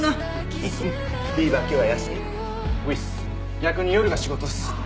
逆に夜が仕事っす。